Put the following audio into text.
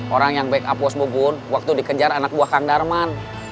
orang yang backup pos bubun waktu dikejar anak buah kang darman